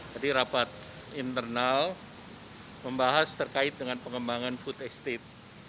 rapat internal membahas terkait dengan pengembangan food estate